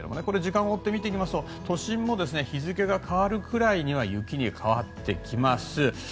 これ、時間を追って見ていきますと都心も日付が変わるぐらいには雪に変わってきます。